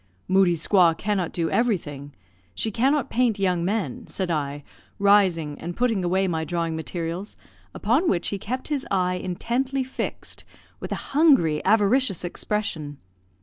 "Moodie's squaw cannot do everything; she cannot paint young men," said I, rising, and putting away my drawing materials, upon which he kept his eye intently fixed, with a hungry, avaricious expression.